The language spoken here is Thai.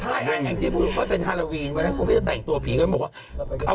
ถ้าอย่างนั้นจริงก็เป็นฮาโลวีนวันนั้นคุณพี่จะแต่งตัวผีก็บอกว่า